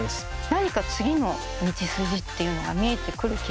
何か次の道筋っていうのが見えてくる気がするんですよね。